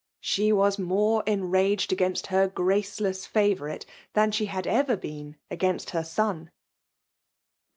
She was mods encaged ag^nst her graceless favonriie. thaa hhe hadever been against her son.